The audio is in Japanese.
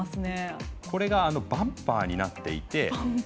これが、バンパーになっていて。